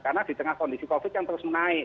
karena di tengah kondisi covid yang terus menaik